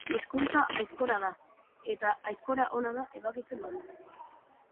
Hizkuntza aizkora da, eta aizkora ona da ebakitzen badu.